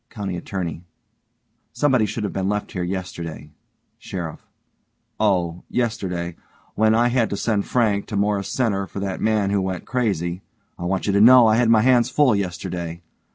COUNTY ATTORNEY: Somebody should have been left here yesterday. SHERIFF: Oh yesterday. When I had to send Frank to Morris Center for that man who went crazy I want you to know I had my hands full yesterday.